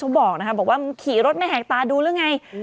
เขาบอกนะคะบอกว่าขี่รถไม่แห่งตาดูหรือไง